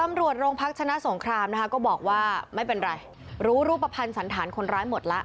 ตำรวจโรงพักชนะสงครามนะคะก็บอกว่าไม่เป็นไรรู้รูปภัณฑ์สันฐานคนร้ายหมดแล้ว